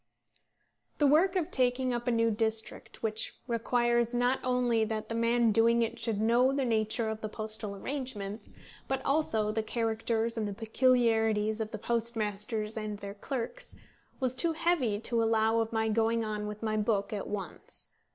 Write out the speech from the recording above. The work of taking up a new district, which requires not only that the man doing it should know the nature of the postal arrangements, but also the characters and the peculiarities of the postmasters and their clerks, was too heavy to allow of my going on with my book at once.